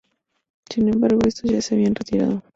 Sin embargo, estos ya se habían retirado.